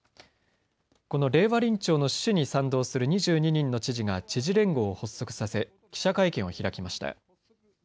この令和臨調の趣旨に賛同する２２人の知事が知事連合を発足させ記者会見を開きました。